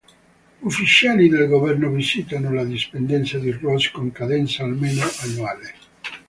Ufficiali del governo visitano la dipendenza di Ross con cadenza almeno annuale.